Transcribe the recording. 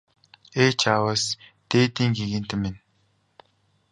Ээ чааваас дээдийн гэгээнтэн минь!